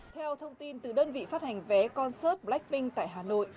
theo thông tin từ đơn vị phát hành vé concert blackpink tại hà nội